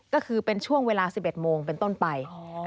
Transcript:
ก็คือเป็นช่วงเวลา๑๑โมงเป็นต้นไป